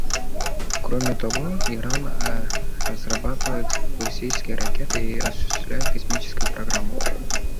Кроме того, Иран разрабатывает баллистические ракеты и осуществляет космическую программу.